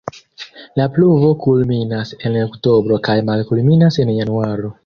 La pluvo kulminas en oktobro kaj malkulminas en januaro.